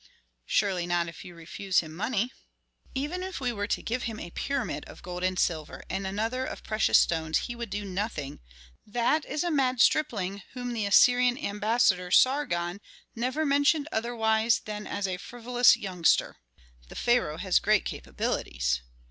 "Surely not if you refuse him money." "Even were we to give him a pyramid of gold and silver, and another of precious stones, he would do nothing that is a mad stripling whom the Assyrian ambassador, Sargon, never mentioned otherwise than as a frivolous youngster." "The pharaoh has great capabilities."